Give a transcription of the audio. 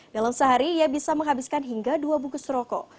dalam sehari ia bisa menghabiskan hingga dua bungkus rokok